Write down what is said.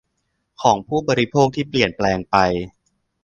ของผู้บริโภคที่เปลี่ยนแปลงไป